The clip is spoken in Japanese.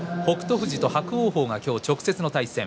富士と伯桜鵬が今日、直接の対戦。